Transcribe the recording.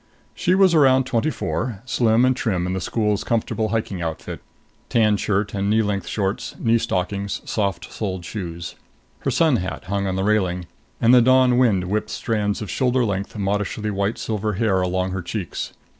She was around twenty four, slim and trim in the school's comfortable hiking outfit. Tan shirt and knee length shorts, knee stockings, soft soled shoes. Her sun hat hung on the railing, and the dawn wind whipped strands of shoulder length, modishly white silver hair along her cheeks.